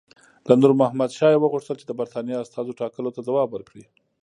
له نور محمد شاه یې وغوښتل چې د برټانیې استازو ټاکلو ته ځواب ورکړي.